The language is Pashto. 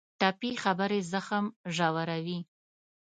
ټپي خبرې زخم ژوروي.